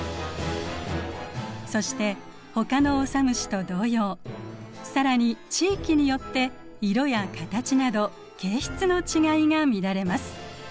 そしてほかのオサムシと同様更に地域によって色や形など形質の違いが見られます。